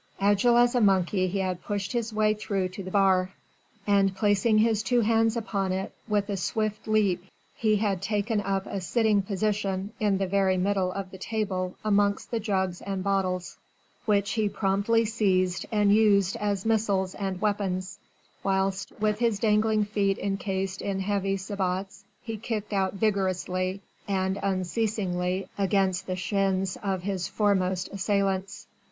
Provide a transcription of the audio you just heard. Agile as a monkey he had pushed his way through to the bar, and placing his two hands upon it, with a swift leap he had taken up a sitting position in the very middle of the table amongst the jugs and bottles, which he promptly seized and used as missiles and weapons, whilst with his dangling feet encased in heavy sabots he kicked out vigorously and unceasingly against the shins of his foremost assailants.